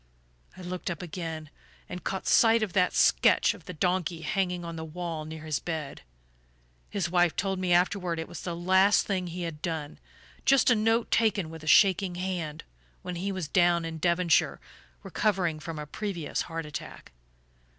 "I looked up again, and caught sight of that sketch of the donkey hanging on the wall near his bed. His wife told me afterward it was the last thing he had done just a note taken with a shaking hand, when he was down in Devonshire recovering from a previous heart attack.